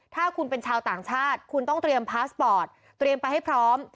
ถ้าคุณเป็นชาวต่างชาติคุณต้องเตรียมพาสปอร์ตเตรียมไปให้พร้อม